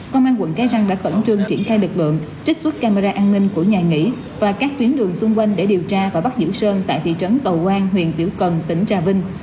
công an quận cái răng đã khẩn trương triển khai lực lượng trích xuất camera an ninh của nhà nghỉ và các tuyến đường xung quanh để điều tra và bắt giữ sơn tại thị trấn cầu quang huyện tiểu cần tỉnh trà vinh